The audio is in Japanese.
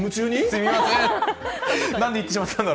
すみません。